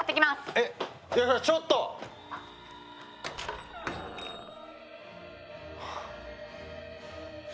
えっちょっと！はあ。